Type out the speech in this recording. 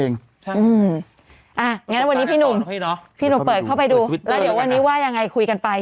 อย่างนั้นวันนี้พี่หนุ่มพี่หนุ่มเปิดเข้าไปดูแล้วเดี๋ยววันนี้ว่ายังไงคุยกันไป